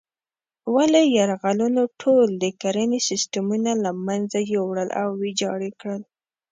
ولې یرغلونو ټول د کرنې سیسټمونه له منځه یوړل او ویجاړ یې کړل.